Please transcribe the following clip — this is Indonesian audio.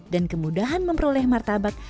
dan kemudahan memperoleh martabak